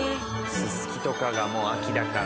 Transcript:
ススキとかがもう秋だから。